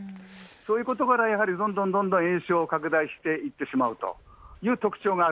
そういうことから、やはりどんどんどんどん延焼拡大していってしまうという特徴があ